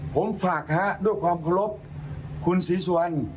ผมฝากฮะด้วยความเคารพคุณศรีสุวรรณ